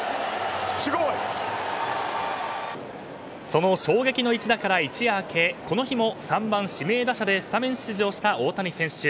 その衝撃の一打から一夜明けこの日も３番指名打者でスタメン出場した大谷選手。